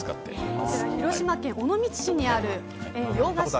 こちら広島県尾道市にある洋菓子店